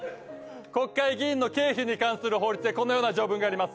国会議員の経費に関する法律でこんなような条文があります。